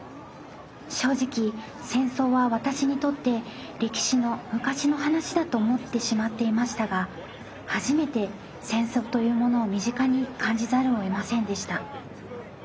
正直戦争は私にとって歴史の昔の話だと思ってしまっていましたが初めて戦争というものを身近に感じざるをえませんでした。